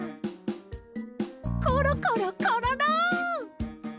コロコロコロロ！